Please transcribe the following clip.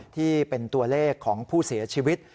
ที่เป็นตัวเลขของผู้เสียชีวิต